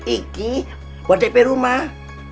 ini buat dp rumah